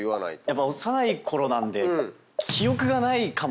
やっぱ幼いころなんで。